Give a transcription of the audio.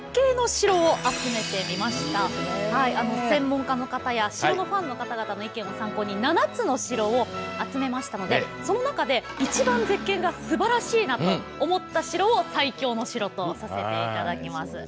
専門家の方や城のファンの方々の意見を参考に７つの城を集めましたのでその中で一番絶景がすばらしいなと思った城を最強の城とさせて頂きます。